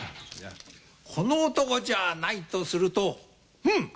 この男じゃないとするとうん！